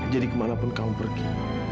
jadi kemana pun kamu pergi